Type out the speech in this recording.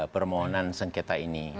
permohonan sengketa ini